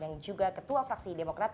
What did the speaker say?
dan juga ketua fraksi demokrat